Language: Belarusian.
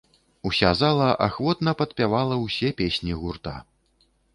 Уся зала ахвотна падпявала ўсе песні гурта.